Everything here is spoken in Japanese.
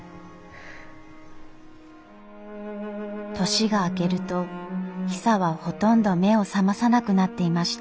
年が明けるとヒサはほとんど目を覚まさなくなっていました。